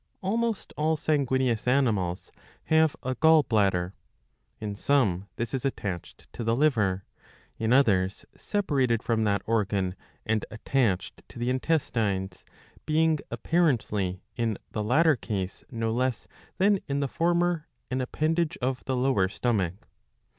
Almost all sanguineous animals have a gall bladder. In some this is attached to the liver, in others separated from that organ ^ and attached to the intestines, being apparently in the latter case no less than in the former an appendage of the lower stomach.